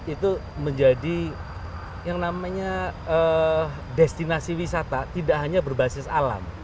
itu menjadi yang namanya destinasi wisata tidak hanya berbasis alam